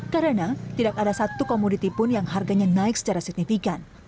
karena tidak ada satu komoditi pun yang harganya naik secara signifikan